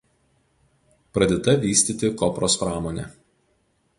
Pradėta vystyti kopros pramonė.